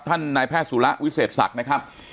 นายแพทย์สุระวิเศษศักดิ์นะครับ